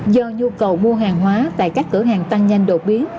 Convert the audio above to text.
do nhu cầu mua hàng hóa tại các cửa hàng tăng nhanh đột biến